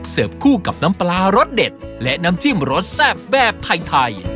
คู่กับน้ำปลารสเด็ดและน้ำจิ้มรสแซ่บแบบไทย